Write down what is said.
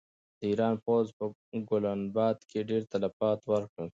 د ایران پوځ په ګلناباد کې ډېر تلفات ورکړل.